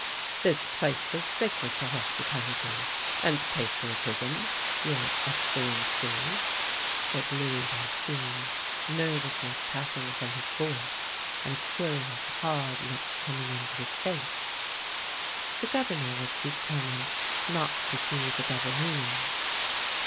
"This place is sacred to hospitality — and patriotism, THE LANE THAT HAD NO TURNING 7 your Excellency," said Louis Racine, nervousness passing from his voice and a curious, hard look com ing into his face. The Governor was determined not to see the double meaning.